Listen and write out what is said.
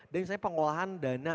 dan misalnya pengolahan dana